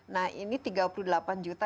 nah ini tiga puluh delapan juta